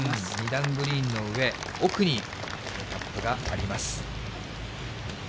２段グリーンの上、奥にフラッグがあります。